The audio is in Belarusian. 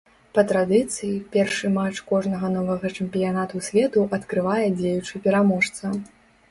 Па традыцыі, першы матч кожнага новага чэмпіянату свету адкрывае дзеючы пераможца.